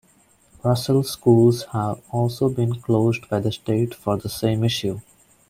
Russell Schools have also been closed by the state for the same issue.